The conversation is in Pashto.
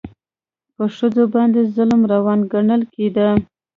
په ښځو باندې ظلم روان ګڼل کېده.